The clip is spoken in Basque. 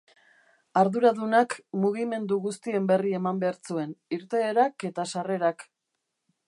Arduradunak mugimendu guztien berri eman behar zuen, irteerak eta sarrerak.